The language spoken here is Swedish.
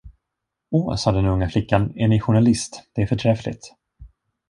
Å, sade den unga flickan, är ni journalist, det är förträffligt.